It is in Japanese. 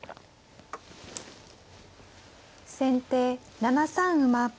先手７三馬。